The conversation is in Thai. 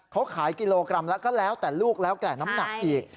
เขาขายกิโลกรัมละก็แล้วแต่ลูกแล้วแก่น้ำหนักอีก